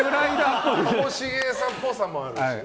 ともしげさんっぽさもあるしね。